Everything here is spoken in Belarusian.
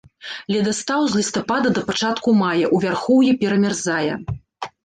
Ледастаў з лістапада да пачатку мая, у вярхоўі перамярзае.